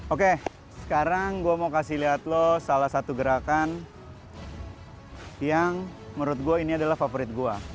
oke sekarang gue mau kasih lihat lo salah satu gerakan yang menurut gue ini adalah favorit gue